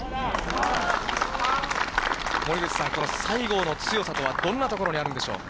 森口さん、この西郷の強さとは、どんなところにあるんでしょう。